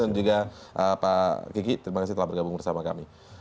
dan juga pak kiki terima kasih telah bergabung bersama kami